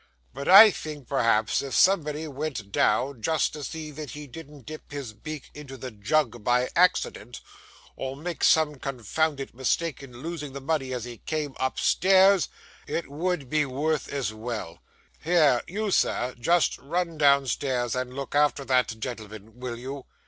'But I think, perhaps, if somebody went down, just to see that he didn't dip his beak into the jug by accident, or make some confounded mistake in losing the money as he came upstairs, it would be as well. Here, you sir, just run downstairs, and look after that gentleman, will you?